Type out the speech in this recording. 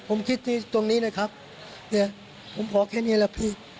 ผมคิดที่ตรงนี้นะครับเนี่ยผมขอแค่นี้แหละพี่